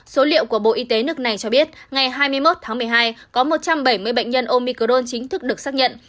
số liệu của bộ y tế nước này cho biết ngày hai mươi một tháng một mươi hai có một trăm bảy mươi bệnh nhân omicrone chính thức được xác nhận